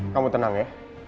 kamu tenang ya